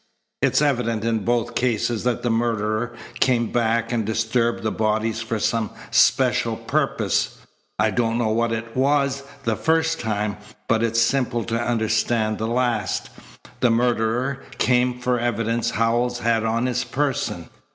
It's evident in both cases that the murderer came back and disturbed the bodies for some special purpose. I don't know what it was the first time, but it's simple to understand the last. The murderer came for evidence Howells had on his person."